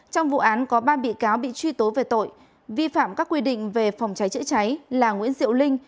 trong vụ án có ba bị cáo bị truy tố về tội vi phạm các quy định về phòng cháy chữa cháy là nguyễn diệu linh